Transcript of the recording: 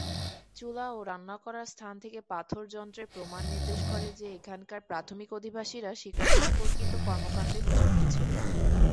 চুলা ও রান্না করার স্থান থেকে পাথর যন্ত্রের প্রমান নির্দেশ করে যে এখানকার প্রাথমিক অধিবাসীরা শিকার সম্পর্কিত কর্মকাণ্ডে নিযুক্ত ছিল।